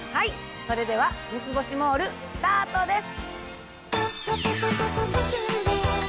それでは『三ツ星モール』スタートです。